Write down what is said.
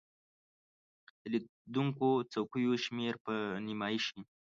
د لیدونکو څوکیو شمیر به نیمایي شي.